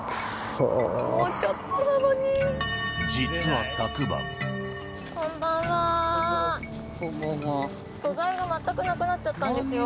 素材が全くなくなっちゃったんですよ。